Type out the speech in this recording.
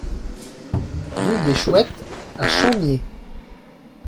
Rue des Chouettes à Champniers